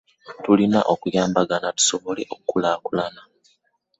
Tulina okuyambagana tusobole okulakulana.